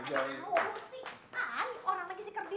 tahu sih an orang lagi si kerdil